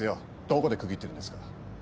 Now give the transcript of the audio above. どこで区切ってるんですか。